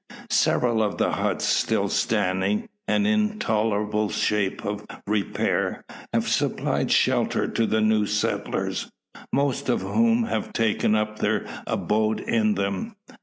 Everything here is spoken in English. Several of the huts still standing, and in a tolerable state of repair, have supplied shelter to the new settlers; most of whom have taken up their abode in them.